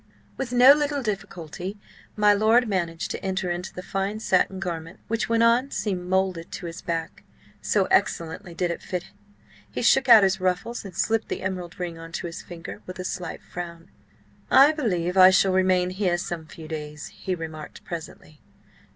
With no little difficulty, my lord managed to enter into the fine satin garment, which, when on, seemed moulded to his back, so excellently did it fit. He shook out his ruffles and slipped the emerald ring on to his finger with a slight frown. "I believe I shall remain here some few days," he remarked presently.